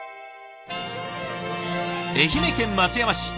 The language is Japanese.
愛媛県松山市